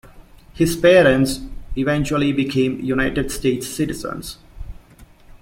His parents eventually became United States citizens.